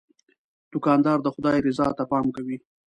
دوکاندار د خدای رضا ته پام کوي.